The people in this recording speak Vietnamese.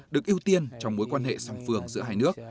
được ưu tiên trong mối quan hệ song phường giữa hai nước